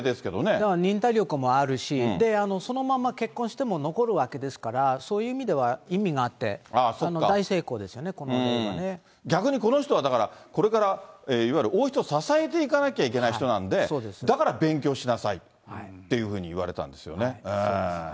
だから忍耐力もあるし、そのまま結婚しても、残るわけですから、そういう意味では意味があって、逆にこの人は、だから、これからいわゆる王室を支えていかなきゃいけない人なんで、だから勉強しなさいっていうふうに言われたんですよね。